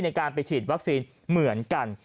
ในการไปฉีดวัคซีนเหมือนกัน